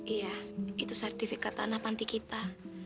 iya itu sertifikat tanah panti kita